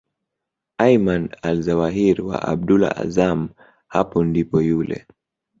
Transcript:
Ayman Alzawahiri wa Abdullah Azzam hapo ndipo yule